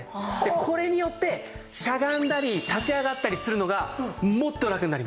これによってしゃがんだり立ち上がったりするのがもっとラクになります。